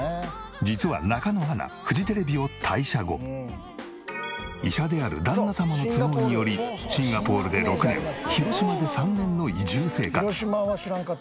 実は中野アナ医者である旦那様の都合によりシンガポールで６年広島で３年の移住生活。